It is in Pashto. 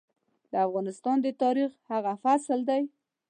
د افغانستان د تاريخ هغه فصل دی.